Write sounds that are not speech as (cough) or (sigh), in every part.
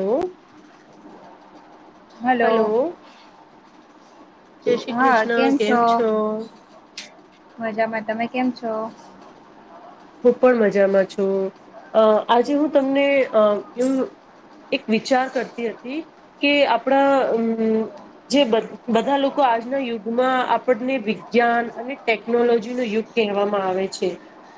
Hello hello જય શ્રી હા કેમ કૃષ્ણ છો મજામાં તમે કેમ છો હું પણ મજામાં છું અ આજે હું તમને અ એું એક વિચાર કરતી હતી કે આપણા અમ જે બધા લોકો આજના યુગમાં આપણને વિજ્ઞાન અને ટેકનોલોજી ન યુગ કહેવામાં આવે છે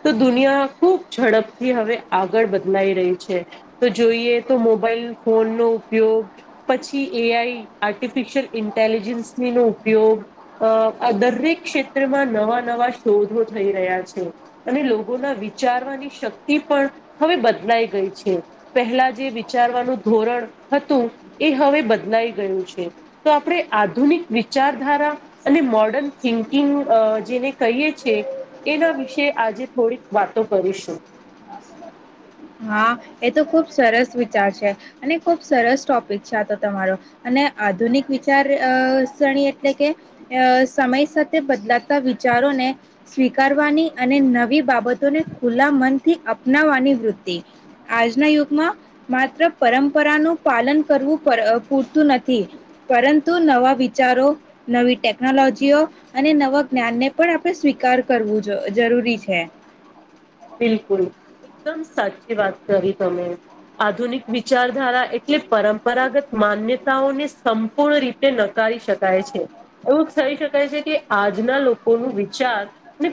તો દુનિયા ખુબ ઝડપથી હવે આગળ બદલાઈ રહી છે તો જોઈએ તો મોબાઈલ ફોન નો ઉપયોગ પછી એ આઈ આર્ટિફિશિયલ ઇન્ટેલિજન્સ નો ઉપયોગ અ આ દરેક ક્ષેત્રમાં નવા નવા શોધો થઈ રહ્યા છે અને લોકોના વિચારવાની શક્તિ પણ હવે બદલાઈ ગઈ છે પહેલા જે વિચાર ધોરણ હતું એ હવે બદલાઈ ગયું છે તો આપણે આધુનિક વિચાર ાર અને મોર્ડર્ન થિંકિંગ જેને કહીએ છી એના વિશે કે આજે થોડીક વાતો કરીશું હા એ તો ખુબ સરસ વિચાર છે અને ખુબ સરસ ટોપિક છે આ તો તમારો અને આધુનિક વિચાર શરણી એટલે કે સમય સાથે બદલાતા વિચારો સ્વીકારવાની અને નવી બાબતોને ખુલ્લા મનથી અપનાવવાની વૃતિ તે આજના યુગમાં માત્ર પરંપરાનું પાલન કરવું પૂરતું નથી પરંતુ નવા વિચારો નવી ટેકનોલોજીઓ અને નવા જ્ઞાનને પણ આપણે સ્વીકાર કરવું જરૂરી છે બિલકુલ એકદમ સાચી વાત કરી તમે આધુનિક વિચારધારા એટલે પરંપરાગત માન્યતાઓને સંપૂર્ણ રીતે નકાર એવું થ શકાય છે કે આજના લોકો ન વિચાર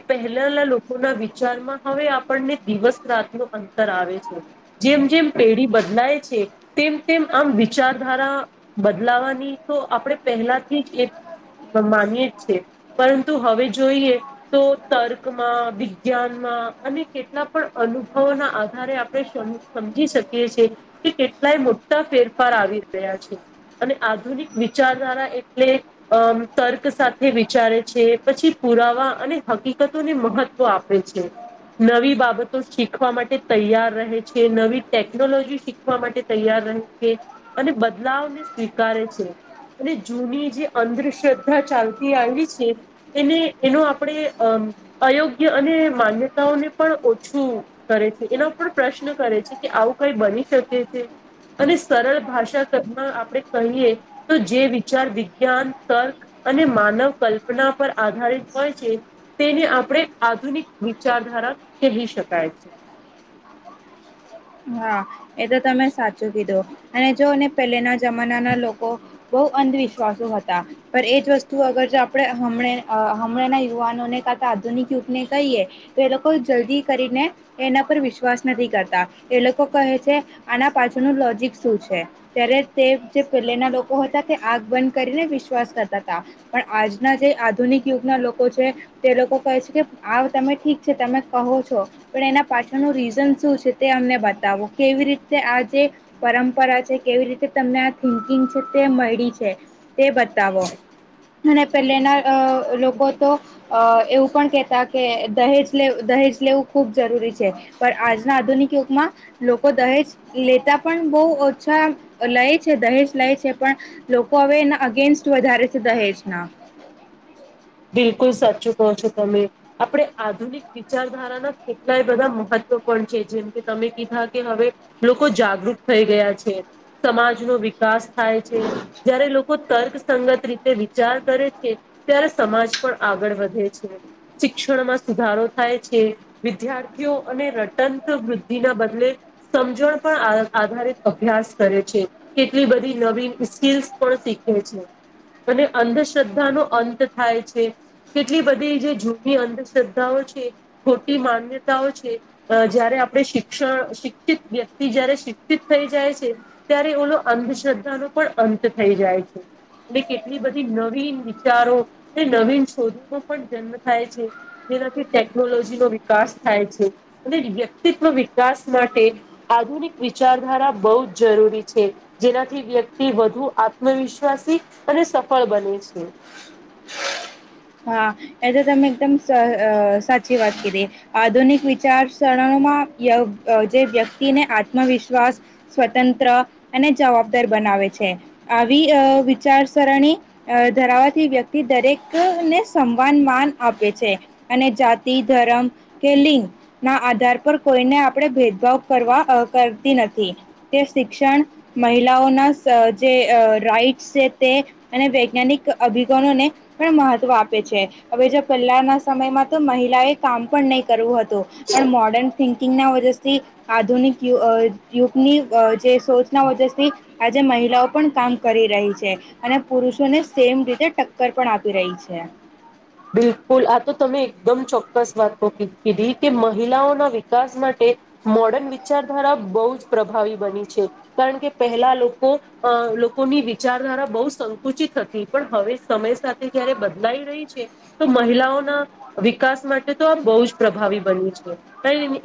પહેલા લોકો ના વિચારમાં હવે આપણને દિવસ રાતનું અંતર આવે છે જેમ જેમ પેઢી બદલાય છે કે તેમ આમ વિચારધારા બદલાવાની તો આપણે પહેલાથી જ એક માનીયેી પરંતુ હવે જોઈએ તો તર્કમાં વિજ્ઞાનમાં અને કેટલા પણ અનુભવો ના આધારે આપણે સમજી શકીએ છેએ કે કેટલાય મોા ફેરફાર આવી રહ્યા છે અને આધુનિક વિચારધારા એટલે તક સાથે વિચારે છે પછી પુરાવા અને હકીકતોને મહત્વ આપે છે નવી બાબતો શીખવા માટે તૈયાર રહે છે નવી ટેકનોલોજી શીખવા માટે તૈયાર છે અને બદલાવને સ્વીકારે છે અને જૂની જે અંધશ્રદ્ધા ચાલતી આવી છે એને એનો આપણે અયોગ્ય અને માન્ય ને પણ ઓછું કરે છે એના પણ પ્રશ્ન કરે છે કે આવું કઈ બની શકે છે અને સરળ ભાષા આપણે કહીએ તો જે વિચાર વિજ્ઞાન તર્ક અને માનવ કલ્પના પર આધારિત હોય છે તેને આપણે આધુનિક વિચધારા કહી શકાય છે હા એ તો તમે સાચું કીધું અને જોને પહેલેના જમાના ના લોકો બહુ અંધવિશ્વાસો હતા પણ એ જ વસ્તુ અગર જો આપણે હ હમણાંં યુવાનોને કરતા આધુનિક યુગને કહીએ તો એ લોકો જલ્દી કરીને એના પર વિશ્વાસ નથી કરતા એ લોકો કહે છે આના પાછુંનુંું લોજક શું છે ત્યારે તે જે પેલે ના લોકો હતા આગ બંધ કરીને વિશ્વાસ કરતા હતા પણ આજના જે આધુનિક યુગના લોકો છે તે લોકો કહે છે કે આ તમે ઠીક છે તમે કહો છો પણ એના પાછળનું રીઝન શું છે તે અમને બતાવો કેવી રીતે આ જે પરંપરા છે કેવી રીતે તમને આ થિંકિંગ છે તે મળી છે તે બતાવો અને પહેલેના લોકો તો અ એવું પણ કેતા કે દહેજ લેવું ખૂબ જરૂરી છે પણ આજના આધુનિક યમાં લોકો દહેજ લેતા પણ બહુ ઓછા લે છે દહેજ લે છે પણ લોકો હવે એના અગેન્સ્ટ વધારે છે દહેજના (unintelligible) બિલકુલ સાચું કહો છો તમે આપણે આધુનિક વિચારધારાના કેટલાય બધા મહત્વ પણ છે જેમ કે તમે કીધા કે હવે લોકો જાગૃત થઈ ગયા છે સમાજ નો વિકાસ થાય છે જયારે લોકો તર્કસંગત રીતે વિચાર કરે છે ત્યારે સમાજ પણ આગળ વધે છે શિક્ષણમાં સુધારો થાય છે વિદ્યાર્થીઓ અને રટંત વૃદ્ધિ ના બદલે સમજણ પણ આધારિત અભ્યાસ કરે છે કેટલી બધી નવી સ્કીલ્સ પણ શીખે છે અને અંધશ્ર્ધા ન અંત થાય છે કેટલી બધી જે જૂની અંધશ્રદ્ધાઓ છે ખોટી માન્યતાઓ છે જયારે આપણે શિક્ષણ શિક્ષિત વ્યક્તિ જયારે શિક્ષિત થઈ જાય છે ત્યારે તો અંધશ્રદ્ધા ન પણ અંત થઈ જાય છે અને કેટલી બધી નવી વિચારો અને નવીન શોધોનૌ પણ જન્મ થાય છે જેનાથી ટેકનોલોજી નો વિકાસ થાય છે અને વ્યક્તિત્વ વિકાસ માટે આધુનિક વિચારધારા બહુ જ જરૂરી છે જેનાથી વ્યક્તિ વધુ આત્મવિશ્વાસી અને સફળ બને છે (unintelligible) હા એ તો તમે એકદમ સાચી વાત કરી આધુનિક વિચારસરણોમાં જે વ્યક્તિને આત્મવિશ્વાસ સ્વતંત્ર અને જવાબદાર બનાવે આવી વિચારસરણી ધરાવાથી વ્યક્તિ દરેક ને સમાન માન આપે છે અને જાતિ ધર્મ કે લિંગ ના આધારે પર કોઈને આપણે ભેદભાવ કરવા કરતી નથી, તે શિક્ષણ મહિલાઓ ના સ જે રાઈટસ છે તે અને વૈજ્ઞાનિક અભિગનોને પણ મહવ આપે છે. હવે જો પહેલા ના સમયમાં તો, મહિલા એ કામ પણ નહી કરવું હતું. તો પણ મોડર્ન થિંકિંગના વજથી, આધુનિક યુગ યુગની જે સોચના વજથી આજે મહિલાઓ પણ કામ કરી રહી છે, અને પુરુષોને સેમ રીતે ટક્કર પણ આપી રહી છે. છે. બિલકુલ આ તો તમે એકદમ ચોક્કસ વાતો કીધી, કે મહિલાઓના વિકાસ માટે મોર્ડન વિચારધારા બહુ જ પ્રભાવી બની છે. કારણ કે પહેલા લોકો લોકોની વિચારધારા બહુ સંકુચિત હતી. પણ હવે, સમય સાથે જયારે બદલાઈ રહી છે. તો મહિલાઓના વિકાસ માટે તો આ બહુ જ પ્રભાવી બની છે.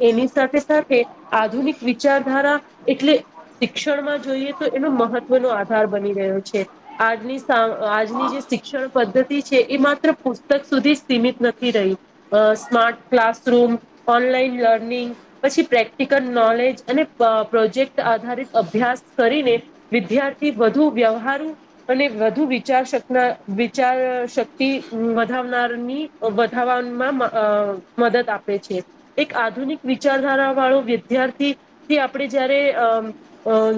એની સાથે સાથે આધુનિક વિચારધારા એટલે શિક્ષણમાં જોઈએ તો એનો મહત્વનો આધાર બની રહ્યો છે. આજની સા આજની જે શિક્ષણ પદ્ધતિ છે, એ માત્ર પ પુસ્તક સુધી સીમિત નથી રહી. સ્માર્ટ ક્લાસરૂમ, ઓનલાઈન લર્નિંગ પછી પ્રેક્ટિકલ નોલેજ અને પ્રોજેક્ટ આધારિત અભ્યાસ કરીને, વિદ્યાર્થી વધુ વ્યવહાર અને વધુ વિચાર, વિચાર શક્તિ નાર ની વધ મદદ આપે છે એક આધુનિક વિચાર (inaudible) વિદ્યાર્થીથી આપ જયારે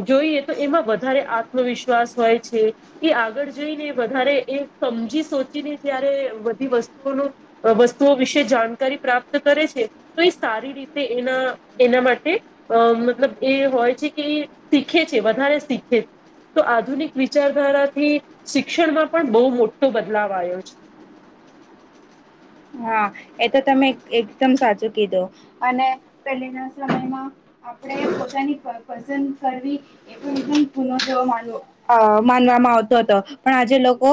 જોઈએ તો એમાં વધારે આત્મવિશ્વાસ હોય છે, એ આગળ જઈને વધારે એ સમજી- સોચીને જ્યારે બધી વસ્તુઓનો, વસ્તુઓ વિશે જાણકારી પ્રાપ્ત કરે છે, તો એ સારી રીતે એના એના માટે, અ મતલબ એ હોય છે કે, શીખે છે, વધારે શીખે છે. તો, આધુનિક વિચારધારાથી શિક્ષણમાં પણ બહુ મોટો બદલાવ આવ્યો છે. હા, એ તો તમે એકદમ સાચું કીધું, અને પહેલીના સમયમાં આપણે પોતાની પસંદ કરવી એ પણ, ગુનો જેવો માનવામાં આવે છે. હતો, પણ આજે લોકો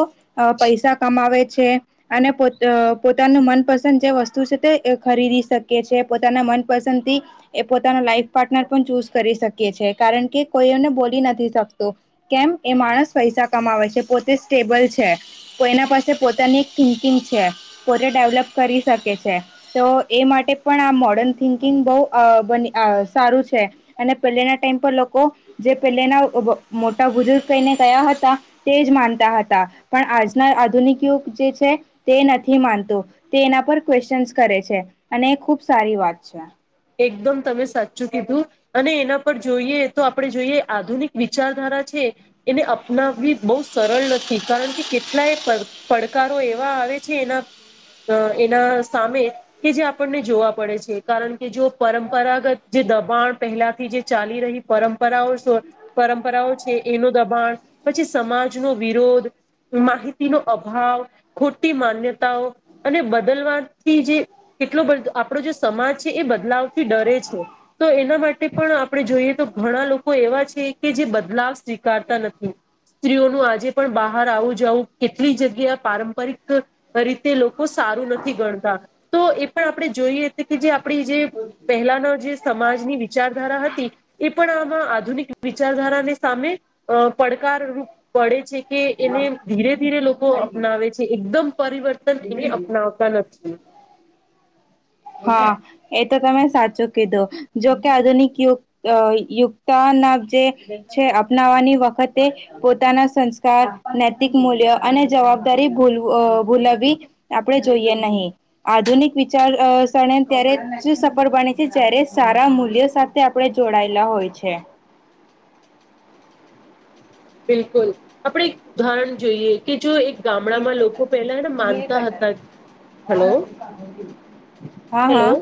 પૈસા કમાવે છે અને પોતાના પોતાનું મનપસંદ જે વસ્તુ છે, તે ખરીદી શકે છે, પોતાના મનપસંદ થી એ પોતાના લાઈફ પાર્ટનર પણ ચૂઝ કરી શકે. કારણ કે કોઈને બોલી નથી શકતો કેમ એ માણસ પૈસા કમાવે છે. પોતે ટેબલ છે, એના પાસે પોતાની એક થિંકિંગ છે. પોતે ડેવલપ કરી શકે છે, તો એ માટે પણ આ મોડર્ન થિંકિંગ બહુ બની. સારું છે, અને પહેના ટાઈમ પર લોકો જે પહેલાના મોટા બુજુર્ગ થઈ ને હતા, તે જ માનતા હતા, પણ આજના આધુનિક યુગ જે છે, તે નથી. નથી માનવું, તો એના પર ક્વેશ્ચનસ કરે છે, અને એ ખુબ સારી વાત છે. એકદમ તમે સાચું કીધું, અને એના પર જોઈએ તો આપણે જોઈએ આધુનિક વિચારધારા છે. એને અપનાવવી બહુ સરળ નથી, કારણ કે કેટલાય પડકારો એવા આવે એના સામે કે જે આપણને જોવા પડે છે, કારણ કે કે જો, પરંપરાગત જે દબાણ પહેલાથી જે ચાલી રહી પરંપરાઓ પરંપરા એનો દબાણ, પછી સમાજ નો વિરોધ, માહિતી નો અભાવ ખોટી માન્યતાઓ અને બદલવાથી, જે કેટલો બધો આપણો જે સમાજ એ બદલાવથી ડરે છે, તો એના માટે પણ આપણે જોઈએ તો ઘણા લોકો એવા છે કે જે બદલાવ સ્વીકારતા નથી. સ્ત્રીઓનું આજે પણ બહાર આવું જવું, કેટલી જગ્યા પારંપરિક રીતે લોકો સાથે સારું નથી ગણતા, તો એ પણ આપણે જોઈ છે કે આપ જે પહેલાના જે સમાજની વિચારધારા હતી, એ પણ આમાં આધુનિક વિચારધાર સામે પડકારરૂપ પડે છે કે, એને ધીરે ધીરે લોકો અપનાવે છે. એકદમ પરિવર્તન એને અપનાવતા નથી. હા, એ તો તમે સાચું કીધું, જોકે આધુનિક યુગ યુગતા છે, અપનાવાની વખતે પોતાના સંસ્કાર, નૈતિક મૂલ્યો અને જવાબદારી ભૂલવી આપણે જોઈએ નહીં, આધુનિક વિચાર ગણે ત્યારે શું સફળ બને છે, જ્યારે સારા મૂલ્યો સાથે આપણે જોડાયેલા હોય છે. (unintelligible) બિલકુલ, આપણે એક ઉદાહરણ જોઈએ કે જો એક ગામડામાં લોકો પેલાને માનતા હતા. હલો હા, હલો હા.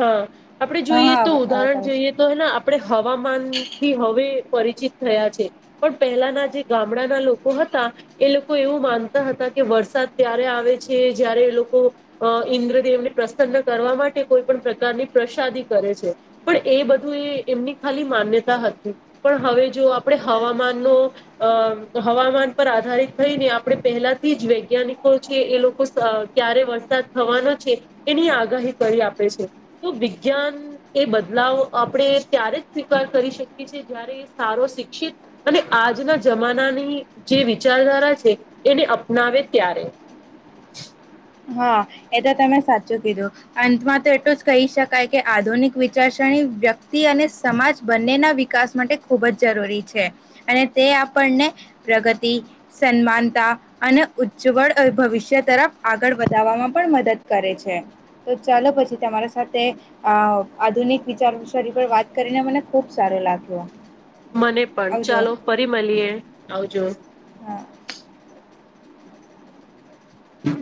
હા, આપણે હા જોઈએ હા તો અવાજ આવે ઉદાહરણ છે જોઈએ તો, હેને આપણે હવામાન થી હવે પરિચિત થયા છે, પણ પહેલાના જે ગામડાના લોકો હતા, એ લોકો એવું માનતા હતા કે વરસાદ ક્યારે આવે છે. જયારે એ લોકો ઇન્દ્રદેવ ને પ્રસન્ન કરવા માટે કોઈ પણ પ્રકારની પ્રસાદી કરે છે. પણ એ બધું એ ખાલી માન્યતા હતી, પણ હવે જો આપણે હવામાન નો હવામાન પર આધારિત થઈને, આપણે પહેલાથી જ વૈજ્ઞાનિકો છે એ લોકો ક્યારે વરસાદ થવાનો છે એની આગાહી કરી આપે છે, તો વિજ્ઞાન એ બદલાવ આપણે ત્યારે જ સ્વીકાર કરી શકીએ છીએ, જયારે સારો શિક્ષિત અને આજના જમાનાની જે વિચારધારા છે એને અપનાવે ત્યારે. (unintelligible) હા, એ તો તમે સાચું કીધું અંતમાં તો એટલું જ કહી શકાય કે આધુનિક વિચારસરણી વ્યક્તિ અને સમાજ બંનેના વિકાસ માટે ખૂબ જ જરૂરી છે, અને તે આપણને ને પ્રગતિ, સન્માનતા અને ઉજ્જવળ ભવિષ્ય તરફ આગળ વધવામાં પણ મદદ કરે છે તો ચાલો પછી તમારા સાથે આધુનિક અનેક વિચાર વિસારી પર વાત કરીને મને ખુબ સારો લાગ્યો મને પણ આવજો ચાલો ફરી મળીએ આવજો હા હ